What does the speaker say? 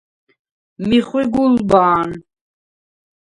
მი ხვი გულბა̄ნ.